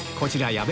矢部